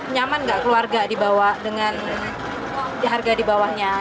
nyaman nggak keluarga di bawah dengan harga di bawahnya